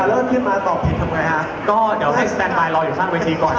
ก็เรียกเชิญขึ้นมาตอบผิดทำไงครับ